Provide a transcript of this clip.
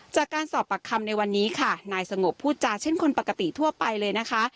จากการสอบปากคำในวันนี้ค่ะนายสงบพูดจาเช่นคนปกติทั่วไปเลยนะคะ